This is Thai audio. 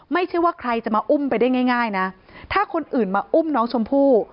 ไม่ใช่ว่าใครจะมาอุ้มไปได้ง่ายนะถ้าคนอื่นมาอุ้มน้องชมพู่